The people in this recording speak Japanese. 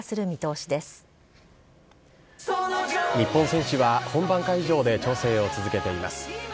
日本選手は本番会場で調整を続けています。